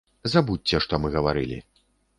Забудзьце, што мы гаварылі.